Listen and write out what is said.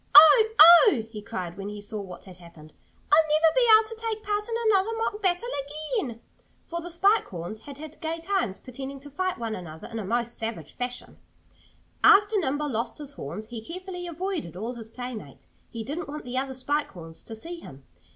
"Oh! oh!" he cried when he saw what had happened. "I'll never be able to take part in another mock battle again!" For the Spike Horns had had gay times pretending to fight one another in a most savage fashion. After Nimble lost his horns he carefully avoided all his playmates. He didn't want the other Spike Horns to see him.